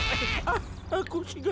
あっこしが。